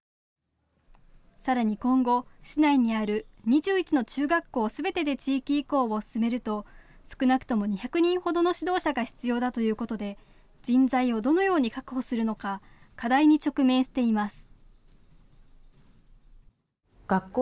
さらに、今後、市内にある２１の中学校すべてで地域移行を進めると少なくとも２００人ほどの指導者が必要だということで人材をどのように確保するのか課題に直面しています。